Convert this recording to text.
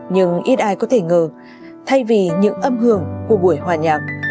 nhưng ít ai có thể ngờ thay vì những âm hưởng của buổi hòa nhạc